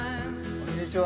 こんにちは。